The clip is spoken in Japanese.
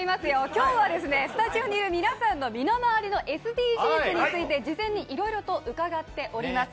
今日は、スタジオにいる皆さんの身の回りのＳＤＧｓについて事前にいろいろと伺っております。